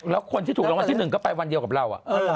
แล้วคนที่ถูกรางวัลที่๑ก็ไปวันเดียวกับเรา